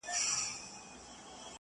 خدایه ته مل سې د ناروغانو٫